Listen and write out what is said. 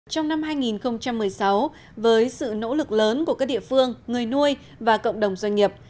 trong năm hai nghìn một mươi sáu với sự nỗ lực lớn của các địa phương người nuôi và cộng đồng doanh nghiệp